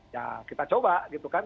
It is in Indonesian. ya kita coba gitu kan